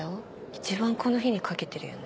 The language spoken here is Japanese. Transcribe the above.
一番この日に懸けてるよね。